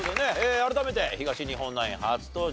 改めて東日本ナイン初登場